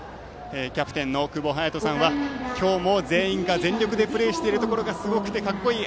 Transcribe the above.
キャプテンのくぼはやとさんは今日も全員が全力でプレーしているところがすごくて格好いい。